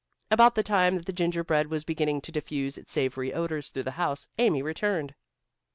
About the time that the gingerbread was beginning to diffuse its savory odors through the house, Amy returned.